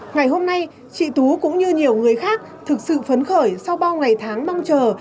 ngày hôm nay chị tú cũng như nhiều người khác thực sự phấn khởi sau bao ngày tháng mong chờ